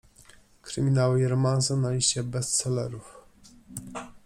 Kryminały i romanse na liście bestsellerów.